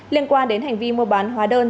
liên quan đến hành vi mua bán hóa đơn